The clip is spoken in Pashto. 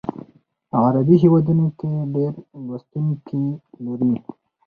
عربي هیوادونو کې ډیر لوستونکي لري.